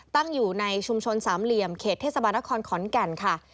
ตั้งอยู่ในชุมชนสามเหลี่ยมเขตเทศบาลนครขอนแก่นค่ะ